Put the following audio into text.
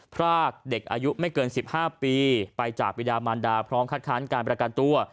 พรากเด็กอายุไม่เกิน๑๕ปีไปจากวิดามันดาพร้อมคัดค้านการประกันตัว